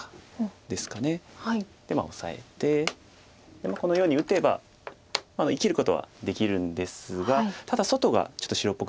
でオサえてこのように打てば生きることはできるんですがただ外がちょっと白っぽくなりますよね。